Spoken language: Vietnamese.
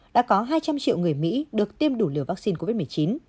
đã có hai trăm linh triệu người mỹ được tiêm đủ liều vaccine covid một mươi chín